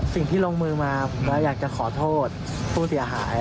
สิ่งที่ลงมือมาผมก็อยากจะขอโทษผู้เสียหาย